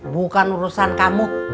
bukan urusan kamu